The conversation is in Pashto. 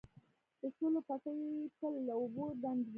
د شولو پټي تل له اوبو ډنډ وي.